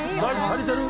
足りてる？